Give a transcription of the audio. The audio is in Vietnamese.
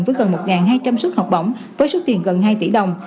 với gần một hai trăm linh xuất học bổng với xuất tiền gần hai tỷ đồng